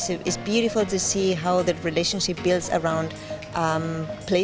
jadi sangat indah untuk melihat bagaimana hubungan itu berbentuk di sekitar